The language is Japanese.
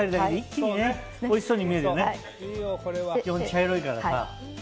基本、茶色いからさ。